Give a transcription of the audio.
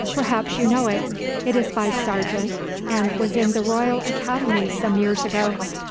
Perhaps you know it. It is by Sargent and was in the Royal Academy some years ago."